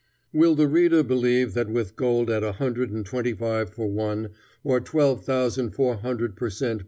Will the reader believe that with gold at a hundred and twenty five for one, or twelve thousand four hundred per cent.